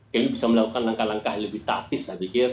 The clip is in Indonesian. kami bisa melakukan langkah langkah lebih taktis saya pikir